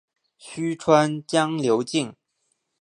虚川江流经。